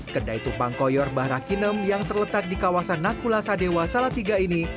kedai tumpang koyor mbah rakinem yang terletak di kawasan nakula sadewa salatiga ini